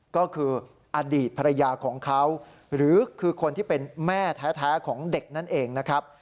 ก็คืออดีตภรรยาของเขาหรือคือคนที่เป็นแม่แท้ของเด็กนั่นเองนะครับ